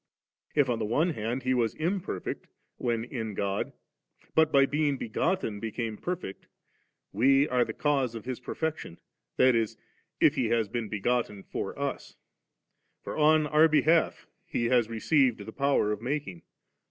If on the one hand He was imperfect, when in God, but by being begotten became perfect ', we are the cause of His perfection, that is, if He has been begotten for OS ; for on our behalf He has received the power of making.